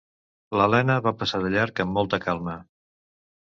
L'Elena va passar de llarg amb molta calma.